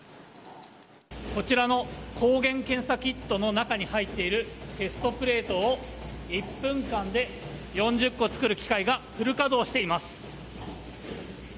こちらの抗原検査キットの中に入っているテストプレートを１分間で４０個作る機械がフル稼働しています。